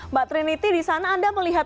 mbak trinity di sana anda melihat